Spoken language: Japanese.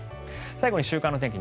最後に週間天気